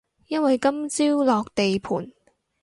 因為今朝落地盤